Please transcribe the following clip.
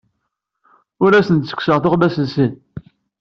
Ur asen-d-ttekkseɣ tuɣmas-nsen.